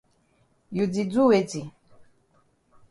You di do weti?